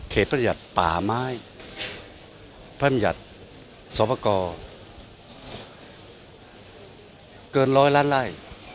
เขตประหยัดป่าไม้ประหยัดศพกรเกินร้อยล้านไร่